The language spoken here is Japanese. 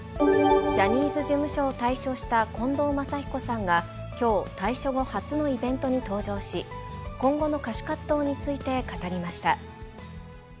ジャニーズ事務所を退所した近藤真彦さんが、きょう、退所後初のイベントに登場し、今後の歌手活動について、語りました。